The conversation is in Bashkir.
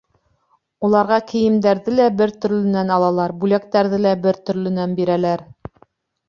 Уларға кейәмдәрҙе лә бер төрлөнән алалар, бүләктәрҙе лә бер төрлөнән бирәләр...